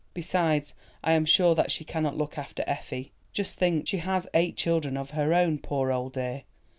Besides, I am sure that she cannot look after Effie. Just think, she has eight children of her own, poor old dear.